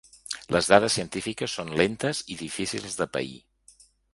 Les dades científiques són lentes i difícils de pair.